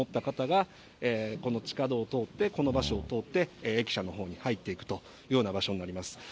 方が、この地下道を通って、この場所を通って、駅舎のほうに入っていくというような場所になります。